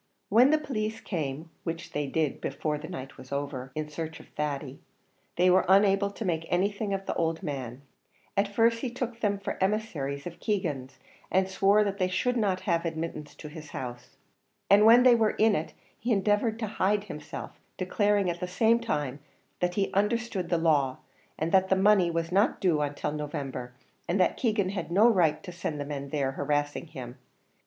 When the police came, which they did before the night was over, in search of Thady, they were unable to make anything of the old man; at first he took them for emissaries of Keegan's, and swore that they should not have admittance into the house, and when they were in it he endeavoured to hide himself, declaring at the same time, that he understood the law; that the money was not due till November, and that Keegan had no right to send the men there, harassing him, yet.